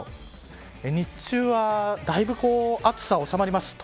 日中はだいぶ暑さがおさまります。